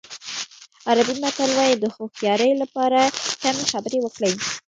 عربي متل وایي د هوښیارۍ لپاره کمې خبرې وکړئ.